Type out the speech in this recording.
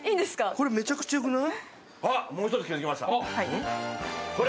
これめちゃくちゃよくない？